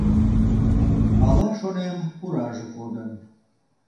Ала, шонем, пураже кодын.